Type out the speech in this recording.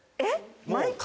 えっ？